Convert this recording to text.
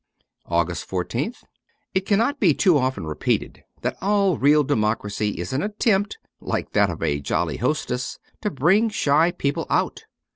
^51 AUGUST 14th IT cannot be too often repeated that all real democracy is an attempt (like that of a jolly hostess) to bring shy people out.